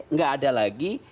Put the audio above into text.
nggak ada lagi